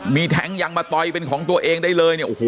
มีแท้งยังมาต่อยเป็นของตัวเองได้เลยเนี่ยโอ้โห